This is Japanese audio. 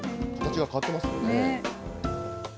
形が変わってますよね。